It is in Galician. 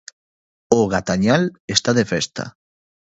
O Gatañal está de festa.